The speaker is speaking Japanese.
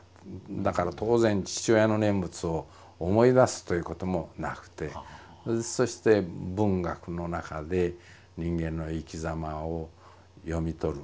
だから当然父親の念仏を思い出すということもなくてそして文学の中で人間の生きざまを読み取る。